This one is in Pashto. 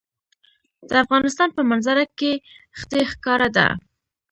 د افغانستان په منظره کې ښتې ښکاره ده.